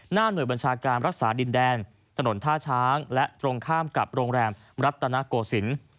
หน้าเหนื่อยบัญชาการรักษาดินแดงถนนท่าช้างและตรงข้ามกับโรงแรมรัฐนาโกสิน